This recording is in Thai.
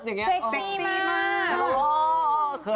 เซ็ชซีมาก